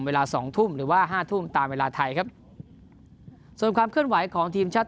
เวลาสองทุ่มหรือว่าห้าทุ่มตามเวลาไทยครับส่วนความเคลื่อนไหวของทีมชาติ